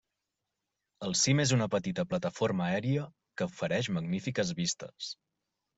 El cim és una petita plataforma aèria que ofereix magnífiques vistes.